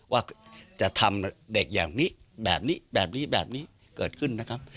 ว่าจะทำเด็กอย่างนี้แบบนี้แบบนี้แบบนี้เกิดขึ้นนะครับ